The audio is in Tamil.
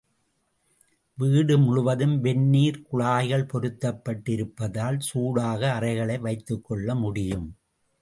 வீடு முழுவதும் வெந்நீர் குழாய்கள் பொருத்தப்பட்டு இருப்பதால் சூடாக அறைகளை வைத்துக்கொள்ள முடியும்.